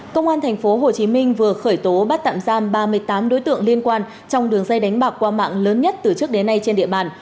công an thành phố hồ chí minh vừa khởi tố bắt tạm giam ba mươi tám đối tượng liên quan trong đường dây đánh bạc qua mạng lớn nhất từ trước đến nay trên địa bàn